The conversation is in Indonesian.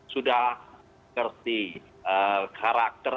sudah mengerti karakter